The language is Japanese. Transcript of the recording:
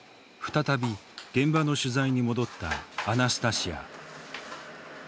再び現場の取材に戻ったアナスタシヤ。